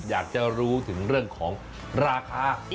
อยากจะรู้ถึงเรื่องของราคา